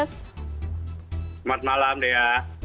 selamat malam dea